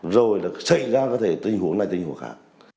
rồi xảy ra có thể tình huống này tình huống khác